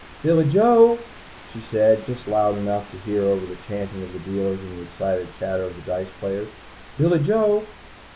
"Billy Joe!" she said, just loud enough to hear over the chanting of the dealers and the excited chatter of the dice players. Billy Joe!